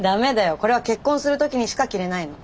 これは結婚する時にしか着れないの。